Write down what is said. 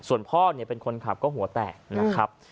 ส่วนพ่อเป็นคนขับก็หัวแตกนะครับ